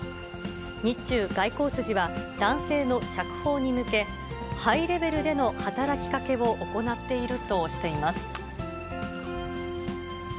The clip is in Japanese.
日中外交筋は、男性の釈放に向け、ハイレベルでの働きかけを行っているとしています。